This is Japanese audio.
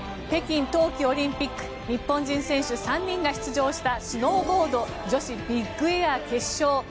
北京冬季オリンピック日本人選手３人が出場したスノーボード女子ビッグエア決勝。